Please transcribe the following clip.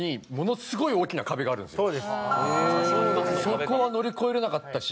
そこは乗り越えられなかったし。